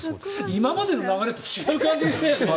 今までの流れと違う感じがする。